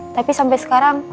tapi sampai sekarang